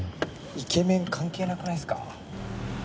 イケメン関係なくないっすか？